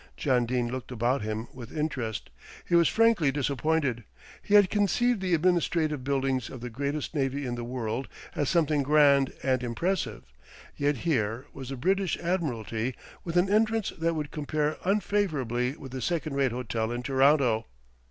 John Dene looked about him with interest. He was frankly disappointed. He had conceived the administrative buildings of the greatest navy in the world as something grand and impressive; yet here was the British Admiralty with an entrance that would compare unfavourably with a second rate hotel in Toronto.